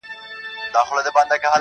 خپل اوبه وجود راټولومه نور -